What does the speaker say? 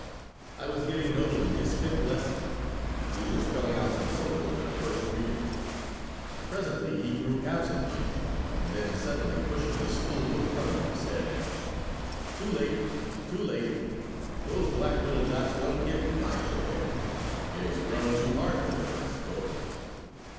I was giving Nodelman his fifth lesson. We were spelling out some syllables in a First Reader. Presently he grew absent minded and then, suddenly pushing the school book from him, said: "Too late! Too late! Those black little dots won't get through my forehead. It has grown too hard for them, I suppose."